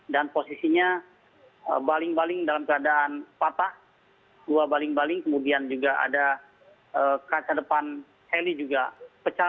dan posisinya baling baling dalam keadaan patah dua baling baling kemudian juga ada kaca depan heli juga pecah